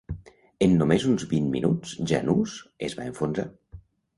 En només uns vint minuts "Janus" es va enfonsar.